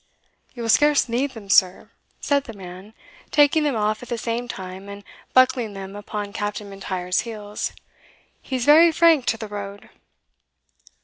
"You will scarce need them, sir," said the man, taking them off at the same time, and buckling them upon Captain Mlntyre's heels, "he's very frank to the road."